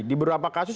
di beberapa kasus